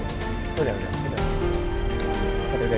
eh silahkan makan